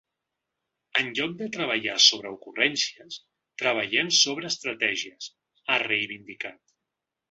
“En lloc de treballar sobre ocurrències, treballem sobre estratègies”, ha reivindicat.